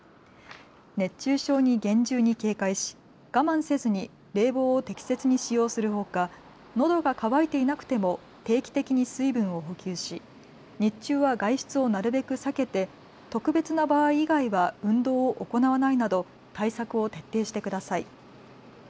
熱中症に厳重に警戒し我慢せずに冷房を適切に使用するほか、のどが渇いていなくても定期的に水分を補給し日中は外出をなるべく避けて特別な場合以外は運動を行わないなど対策を徹底してください。